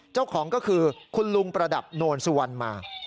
เจ้าของก็คือคุณลุงประดับโนนสุวรรณมา